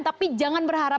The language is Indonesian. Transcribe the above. tapi jangan berharap